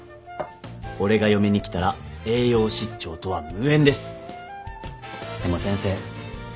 俺が嫁に来たら栄養失調とは無縁ですでも先生